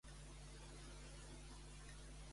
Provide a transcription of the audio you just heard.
Què simbolitza el personatge d'Artur?